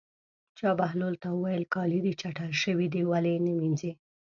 چا بهلول ته وویل: کالي دې چټل شوي دي ولې یې نه وینځې.